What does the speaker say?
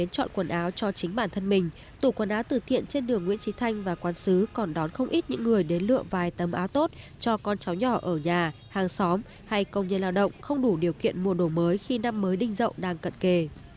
theo chính bản thân mình tủ quần áo từ thiện trên đường nguyễn trí thanh và quán xứ còn đón không ít những người đến lựa vài tấm áo tốt cho con cháu nhỏ ở nhà hàng xóm hay công nhân lao động không đủ điều kiện mua đồ mới khi năm mới đinh dậu đang cận kề